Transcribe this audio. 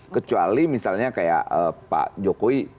kecuali misalnya kayak pak jokowi